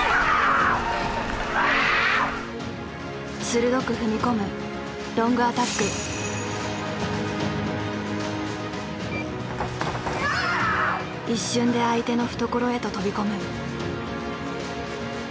鋭く踏み込む一瞬で相手の懐へと飛び込む。